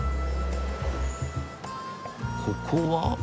ここは？